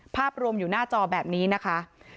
ภาพรวมอยู่หน้าจอแบบนี้นะคะ